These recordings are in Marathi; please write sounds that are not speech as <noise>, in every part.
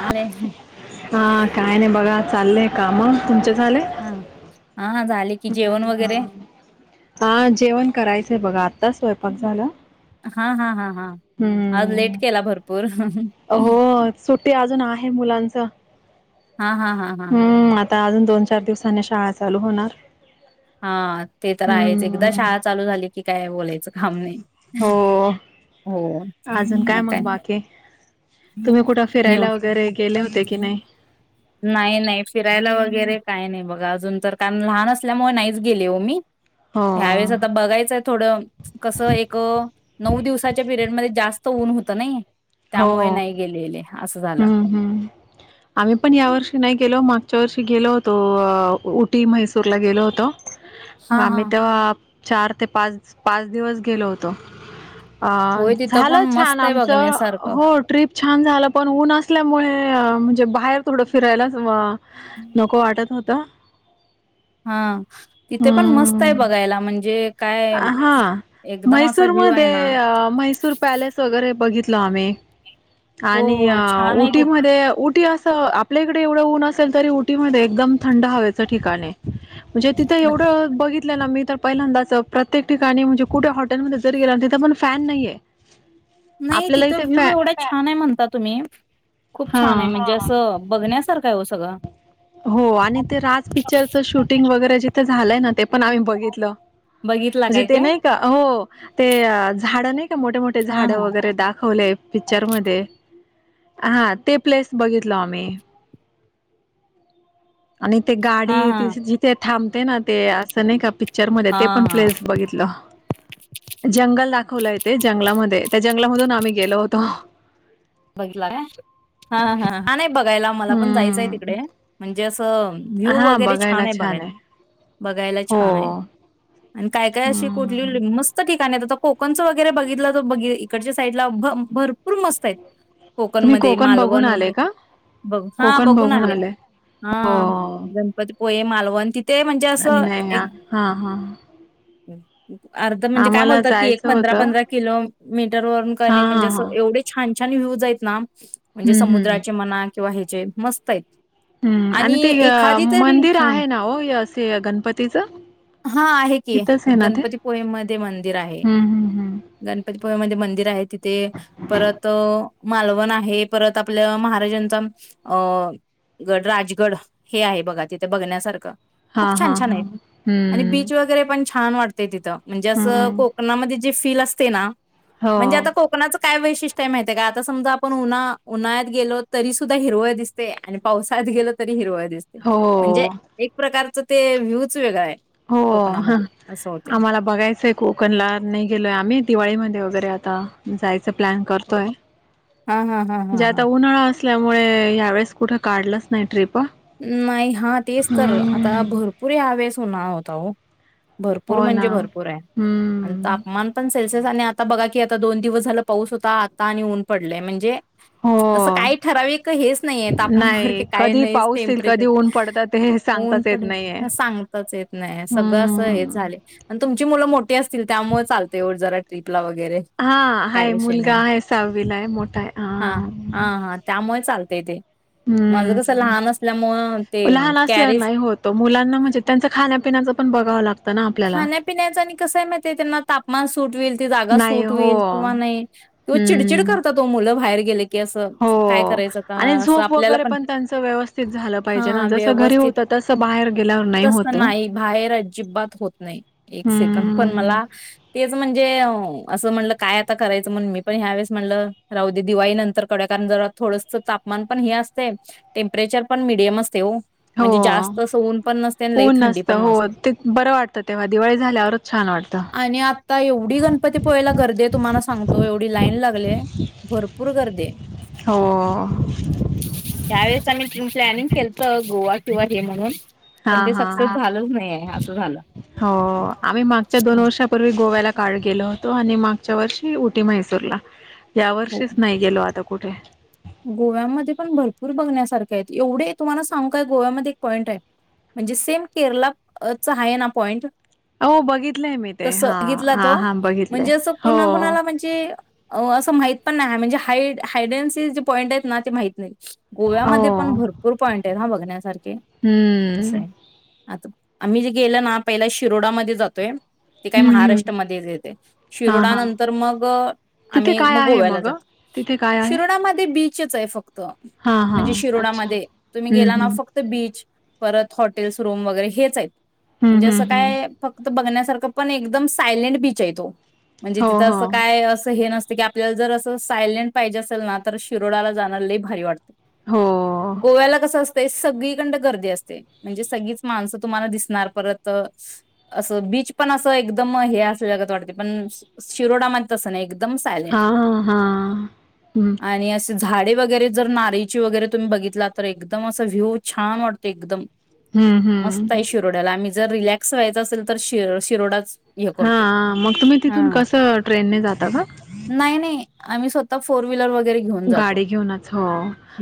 आले हा हा काय नाही बघा चालले आहे काम तमच्या हा हा हा झाले की जेवण वगैरे हा जेवण करायच. अससे बघात आता स्वयंपाक झाला. हा हा हा हा आज लेट हम्म केला भरपूर हो सुट्टी अजून आहे मुलांच. हा हा हा हा. हम्म आता अजून दोन चार दिवसांनी शाळा चालू होणार. हा ते तर आहेच एकदा हम्म शाळा चालू झाली की काय बोलायचं काम नाही. हो. हो. अजून काय मगं बाकीे. तुम्ही कुठे निव फिरायला वगैरे गेले? होते की नाही. नाही नाही फिरायला वगैरे काही नाही बघा, अजून तर कारण लहान असल्यामुळे नाहीच गेले हो मी. हो ह्या वेळेस आता बघायचंय थोड कस एक नऊ दिवसाच्या पिरियड मध्ये जास्त फक्त ऊन होतं नाही. हो त्यामुळे हो. नाही गेलेले असं झालं हम्म हम्म आम्ही पण यावर्षी. नाही गेलो मागच्या वर्षी गेलो होतो, उटी, म्हैसूर ला गेलो होत. मगं हा आम्ही हा तेव्हा. चार ते पाच, पाच दिवस गेलो होतो. अ होय तिथं पण झालं छान मस्त आहे आमचं बघण्यासारखं हो ट्र्रीप छान झाला पण ऊन असल्यामुळे म्हणजे बाहेर थोडं फिरायलाच वा नको वाटत होत. कुठ. हा. तिथे पण मस्त आहे हम्म बघायला म्हणजे काय हा एकदम असा व्ह्यू आहे म्हैसूरमध्ये ना. बघितलो आम्ही. हो आणि हो छान आहे उटीमध्ये उटी असं आपल्या इकडे एवढं ऊन असेल तरी उटीमध्ये एकदम थंड हवेच ठिकाण आहे. म्हणजे तिथं तिथ एवढं बघित <unintelligible> मी तर पहिल्यांदाच प्रत्येक ठिकाणी म्हणजे कुठे हॉटेलमध्ये जर गेला तिथं पण फॅन नाहीये, नाही आपल्याला तिथं इथे व्ह्यू फॅ एवढा छान आहे म्हणता तुम्ही खूप हा. छान आहे म्हणजे असं बघण्यासारखं, हो सगळं. हो आणि ते राज पिक्चरच शूटिंग वगरे जिथे झालंय ना ते पण आम्ही बघितलं बघितला म्हणजे काय ते नाही का हो ते झाड नाही मोठे मोठे हा झाड हा वगैरे दाखवले पिक्चर मध्ये हा ते प्लेस बघितल आम्ही आणि ते गाडी हा हा ति जिथे थांब ना ते अस असने का प र म हा ते पण हा प्लेस बघितलं जंगल दाखवलं ते जंगलामध्ये त्या जंगलामधून आम्ही गेलो होतो बघला का हा हा बघायला आ मला पण जायचंय हम्म तिकडे म्हणजे व्ह्यू वगैरे छान आहे बघायला बघायला हो छान आहे आणि काय काय अशी हम्म. कोठली मस्त का नाही आ कोकणच वगैरे बघितलं तर ब इकडच्या साईडला भरपूर मस्त आहेत कोकण तुम्ही मध्ये बघून मालवण आले वगैरे का बघ हा बघून आले, हा गणपती होय मालवण तिथं अ नाही हा हा ह् अर्ध म्हणजे काय आम्हाला बोलतात की एक जायचं पंधरा होतं पंधरा किलो मी तर वरुण का हा नाही हा म्हणजे अस हा एवढे छान छान रिव्ह्यूज आहेत ना म्हणजे हम्म हम्म. समुद्राचे म्हणाल किंवा ह्याचे मस्त आहेत हम्म आणि ते एखादी तरी मंदिर ह, आहे ना हो असे गणपतीचं हा आहे की तिथंच आहे ना ते गणपतीपुळेमध्ये मंदिर आहे हम्म हम्म हम्म. गणपतीपुळेमध्ये मंदिर आहे तिथे परत मालवण आहे परत आपल्या महाराजांचा अ गड राजगड हे आहे बघा तिथे बघण्यासारखं हा खूप हा छान छान हा आहे आणि हम्म बीच वगैरे पण छान वाटतेय तिथं म्हणजे असं हम्म कोकणामध्ये जे फील असतेय ना हो म्हणजे आता कोकणाच काय वैशिष्ट्य ते माहितेय का आता समजा आपण उन्हा उन्हाळ्यात गेलो तरी सुद्धा हिरव दिसते आणि पावसाळ्यात गेलो तरी हिरवळ दिसते, हो म्हणजे एक प्रकारच ते व्ह्यूच वेगळा आय. हो ह आम्हाला बघायचंय कोकणला नाही गेलोय आम्ही दिवाळीमध्ये वगैरे. ते आता जायच प्लॅन करतोय. हा हा हा हा म्हणजे हा. आता उन्हाळा असल्यामुळे ह्या वेळेस कुठे काढलंच नाही ट्रीप. नाही हा तेच तर आता भरपूर ह्यावेळेस होणार. ताऊ. भरपूर हो ना म्हणजे भरपूर आहे आणि हम्म तापमान पण. सेल्सिअस आणि आता बघा की आता दोन दिवस झालं पाऊस होता. आता आणि ऊन पडलेय म्हणजे. असं हो काही ठराविक हेच नाहीय तापमानावर नाही की काय कधी नाही. पाऊस येईल टेंपरेचर, कधी ऊन पडतात हे ऊन सांगताच येत पडेल नाहीये सांगतच येत नाहिये, सगळ अस हेच हम्म झालंय, आणि तुमची मुलं मोठी असतील त्यामुळे चालतंय ओ. हो जरा ती. वैगरे, हा काही हाय विषय मुलगा नाही, आहे सहावीला आहे मोठा आहे हा हा हा त्यामुळे चाल. ते ते. माझं कसं हम्म लहान अस. लहान असल्या नाही होत. मुलांना म्हणजे त्यांच खाण्यापिण्याच पण बघ. कला. खाण्यापिण्याचं आणि कसंय माहि त्यांना तापमान सुट होईल त जागा नाही सुट हो होईल किंवा नाही किंवा चिडचिड हम्म करतात तो मुलं बाहेर. गेले की असं हो काय करायचं आता आणि असं झोप आपल्याला वगैरे पण त्यांच व्यवस्थित झालं पाहिजे ना हा जसं घरी व्यवस्थित होत तसं बाहेर गेल्यावर नाही तसं होत. नाही बाहेर अजिबात होत नाही एक सेक पण हम्म मला तेच म्हणजे. म्हणलं काय आता करायचं म्हण मी पण ह्यावेळेस म्हणलं राहूदे. दिवाळी नंतर काढुया कारण जर थोडस तापमान पण हे असते टेम्परेचर पण मीडियम असते हो. हो म्हणजे जास्त आस ऊन पण नसते. आणि लई ऊन थंडी नसतं पण हो नसते. ते बरं वाटतं तेव्हा दिवाळी झाल्यावरच छान वाटतं. आणि आता एवढी गणपती पोहायला गर्दी आहे. तुम्हाला सांगतो एवढी लाईन. लागले. भरपूर गर्दी हाय. हो. मी प्लॅनिंग केलत गोवा किंवा हे म्हणून. हा पण ते हा सक्सेस झालंच नाही आहे. असं झालं. हो आम्ही मागच्या दोन वर्षापूर्वी गोव्याला. काळ गेलो होतो. आणि मागच्या वर्षी उटी म्हैसूरला. या हो वर्षीच नाही गेलो आता. कुट हाय. गोव्यामध्ये पण भरपूर बघण्यासारखे आहेत. एवढे तुम्हाला सांगू काय गोव्यामध्ये एक पॉइंट आहे म्हणजे सेम केरळा च आहे ना पॉइंट हो बघितलंय मी ते तस हा बघितला हा तो हा बघितलंय म्हणजे असं हो कुणा कुणाला म्हणजे असं माहित पण नाही म्हणजे हाईड हाईडन्सी पॉईंट आहेत ना ते माहीत नाही हो गोव्यामध्ये पण भरपूर पॉइंट आहेत हा बघण्यासारखे हम्म असं आहे आता आम्ही जे गेलो ना पहिला शिरोडामध्ये जातोय ते काय हम्म हम्म महाराष्ट्रामध्ये येते हा शिरोडा हा नंतर मग तिथे आम्ही काय मग आहे गोव्याला जातो. तिथे काय आहे शिरोडामध्ये बीचच आहे फक्त हा हा म्हणजे शिरोडामध्ये तुम्ही हम्म गेला ना हम्म फक्त बीच परत हॉटेल्स रूम वगैरे हेच आहेत. हम्म म्हणजे हम्म असं हम्म काय फक्त बघण्यासारखं पण एकदम सायलेंट बीच आहे तो म्हणजे हो तिथं हो असं काय असं हे नस की आपल्याला जर असं सायलेट पाहिजे असेल ना, तर शिरोडाला जाणार लई भारी वाटत. हो गोव्याला कस अस ते सगळीकडनं गर्दी असते म्हणजे सगळीच माणसं तुम्हाला दिसणार परत असं बीच पण असं एकदम हे असल्यागत वाटते पण शिरोडामध्ये तसं नाही. एकदम हा सायलेंट हा हा हम्म. आणि झाडे वगैरे जर नारळीची वगैरे तुम्ही बघितलात तर एकदम असं व्ह्यू छान वाटतं एकदम. हम्म मस्त हम्म. आहे शिरोड्याला आम्ही जर रिलॅक्स व्हायच असेल तर शी शिरोडाच हे हा करतोय हा हा मग तुम्ही हा तिथून कसं ट्रेनने जाता का? नाही नाही आम्ही स्वतःफोर व्हीलर वर गाडी घेऊनच हो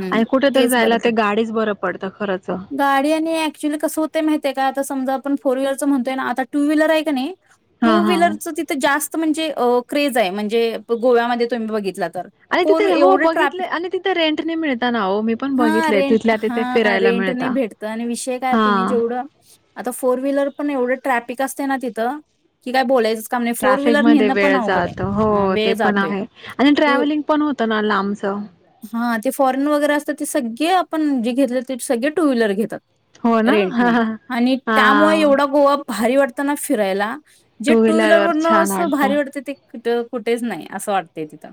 हम्म कुठेतरी तेच बरं जायला पडतं ते गाडीच बर पडतं खरंच. गाडी आणि ऍक्च्युली कसं होतंय माहितीये का आता समजा आपण फोर व्हीलर चा म्हणतोय ना आता टू व्हीलर आहे का नाही? हा टू हा व्हीलरचं तिथं जास्त म्हणजे अ क्रेज आहे म्हणजे गोव्यामध्ये तुम्ही बघितला तर. आणि फोर तिथे हो एवढं बघितले ट्रॅफिक आणि तिथे रेंटने मिळता ना हो मी पण हा बघितले रेंट तिथल्या तिथे हा फिरायला रेंटने मिळता भेटतं आणि विषय काय तुम्ही हां. जेवढं आता फोर व्हीलर पण एवढं ट्रॅफिक असते ना तिथं की काय बोलायचं ट्रॅफिक मध्ये वेळ जातो अ, हो ते पण आहे आणि ट्रॅव्हलिंग पण होत. हा ते फॉरेन वगैरे असत ते सगळे आपण जे घेतले, ते सगळे टू व्हीलर घेतात. हो ना रेंटने आणि त्यामुळे हा. एवढा गोवा भारी वाटंत ना फिरायला. जे टू व्हीलर वर छान वरणअसं वाटत भारी वाटते ते! कुठ कुठेच नाही असं वाटत. तेजिता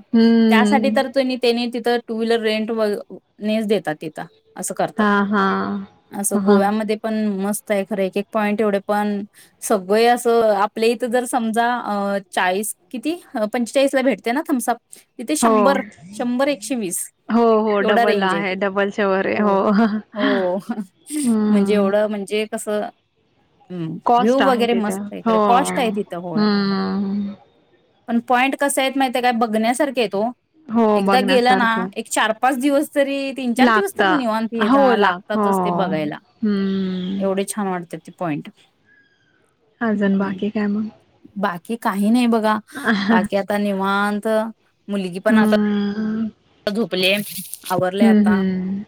त्यासाठी हम्म तर तुनी तेनी ते तर टू व्हीलर रेंट वर नेच देतात तिथा. असं करतात, हा हा. असं हा गोव्यामध्ये पण मस्त खर खरय एक एक पॉईंट एवढे पण सगळे असं आपल्या इथ जर समजा अ चाळीस किती पंचेचाळीस ला भेटते ना थमसअप? तिथे हो. शंभर शंभर एकशे वीस हो हो एवढा डबल रेंज आहे. डबलच्या वर आहे हो हो म्हणजे हम्म. एवढं म्हणजे कसं आ कॉस्ट आहे तिथे हो खरं कॉस्ट आहे तिथं होय हम्म. पण पॉईंट कसं आहेत माहिती आहे काय बघण्यासारखे आहेत. तो. हो एकदा गेला ना बघण्यासारखं एक चार पाच दिवस तरी तीन चार दिवस लागत तर निवांते हो लाग हो लागतातच ते बघायला एवढे हम्म छान वाटते ते पॉइंट हजण बाकी काय म्हन की काही नाही बघ बाकीितानी भत मुलगी पण अस हम्म झुपले आवरले हम्म आता हम्म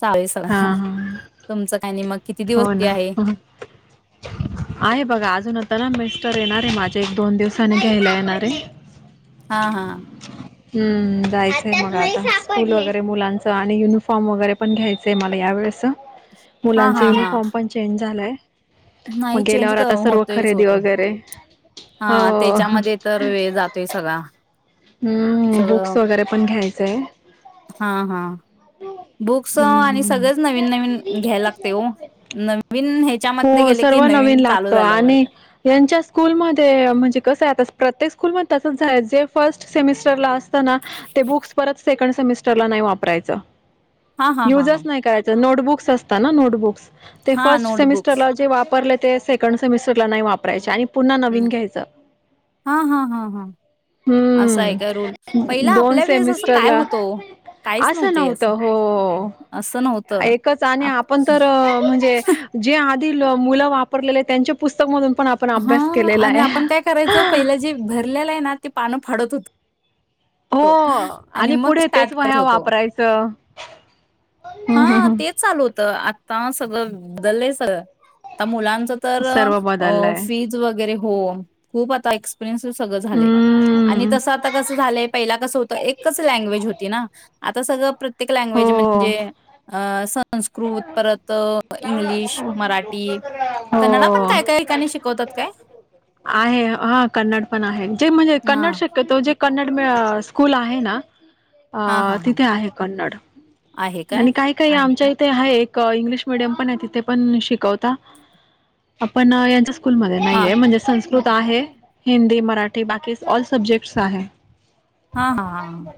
चावीस हा हा तुमचं काही नाही मग किती दिवस हो सुट्टी ना आहे आहे बघा अजूनता ना बे तर येणारे माझ्या एक दोन दिवसाने घ्यायला येणारे हा हा हम्म जायचंय मग आता स्कूल वगैरे मुलांचं आणि युनिफॉर्म वगैरे पण घ्यायचंय मला या वेळेच हा मुलांच हा हा युनिफॉर्म पण चेंज झालंय नाही चेंज होतयच खरेदी होतो वगैरे हा हो त्याच्यामध्ये तर वेळ जातोय सगळा हम्म बुक्स सगळं वगैरे पण घ्यायचंय हा हा बुक्स आणि हम्म सगळेच नवीन नवीन घ्या लागते हो नवीन ह्याच्यामध्ये हो गेले की सर्व नवीन चालू लागत झालं आणि वर्ग यांच्या स्कूलमध्ये म्हणजे कस आहे आ प्रत्येक स्कल ममध्ये तसच आहे जे फर्स्ट सेमिस्टर ला बुत सेकंड सेमिस्टरला नाही वापरायचं हा हा हा हा युजच नाही करायच नोटबु बुक्स असत ना नोटबुक्स ते हा फर्ट समिस्टर नोटबुक्स लावजे वाप वापरले ते सेकंड सेमिस्टरला नाही वापरायचे आणि पुन्हा नवीन घ्यायच हा हा हा हा असा आहे का रूल. ह् पहिला दोन आपल्या वेळेस असं काय सेमिटरला होतं ओ? काहीच असं नव्हते नव्हत असं नव्हतं. एकच आणि आप आपण तर म्हणजे जे मुलं वापरलेले त्यांच्या पुस्तक मधून हा आणि आपण काय करायचं पहिलं जे भरलेलं आहे ना ते पानं फाडत होत हो आणि मग पुढे तेच स्टार्ट व करत ह्या होतो. वापरायच हम् हम् हा हम् तेच चालू आता सगळं बदललंय सगळं आ मुलां तर सर्व अ् बदललंय फीज वगैरे हो खूप आता एक्स् चेंज झालय आणि हम्म. तसं आता कसं झालय पहिला कसं होत एकच लॅंग्वेज होती ना आता सगळं प्र् प्रत्येक लँग्वेज हो म्हणजे अ संस्कृत, परत इंग्लिश, मराठी, कन्नडा पण हो. काय काय ठिकाणी शिकवतात काय? आहे हा कन्नड पण आहे जे म्हणजे कन्नड हां. शक्यतो जे कन्नड <unintelligible> स्कूल आहे ना हा अ हा हा तिथे आहे कन्नड. आणि काय काय आमच्या इ् थे आहे एक इंग्लिश मिडियम पण आहे तिथे पण शिकवता आपण यांच्या्- स्कूलमध्ये हा नाहीेय म्हणजे संस्- स्कृत आहे. हिंदी, मराठी, बाकी ऑल सब्जेक्ट्स आहे. हा ह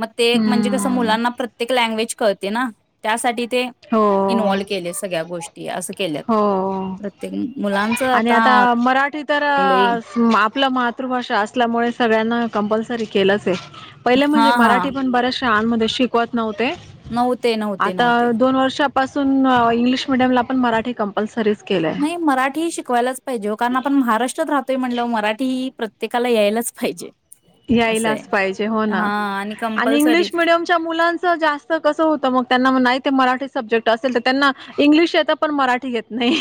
मग ते म्हणजे कस हम्म. मुलांना प्रत्येक लॅंग्वेज कळतीय ना त्यासाठी ते इनवॉल हो केले सगळ्या गोष्टी असं केल्यात हो प्रत्येक मुलांच आणि आता लय पलं मातृभाषा असल्यामुळे सगळ्यांना कंपलसरी केलंच आहे. पहिलं हा म्हणजे हा मराठी पण बऱ्याचश्- शाळांमध्ये शिकवत नव्हते. नव्हते नव्हते आता नव्हते दोन वर्षापासून इंग्लिश मिडियमला पण मराठी कंपलसरीच नाही मराठी शिकवायलाच पाहिजे ओ कारण आपण महाराष्ट्रात राहत् तोय म्हणल्याव मराठी की प्रत्येकाला यायलाच पाहिजे. असं यायलाच आहे पाहिजे हो हा ना आणि कंपल्सरी इंग्लिश मीडियमच्या मुलांच जास्त कसं होत मग, त्यांना म् नाही - ते मराठी सब्जेक्ट असेल तर त्यांना इंग्लिश येतं पण मराठी येत नाही.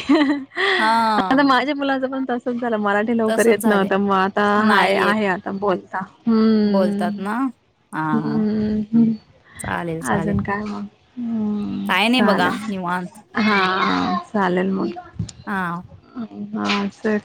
हा <inaudible> आता माझ्या मुलाचं पण तस्ं- - च झालं त्याला मराठी लवकर तसच येत झालंय नव्हतं मग आता हाय नाही येत आहे आता बोल् <inaudible> बोलतात हम् ना. हा हम् चालेल चालेल अजून काय मग हम काय नाही बघा चालेल निवांत हा चालेल मग हा हा सेक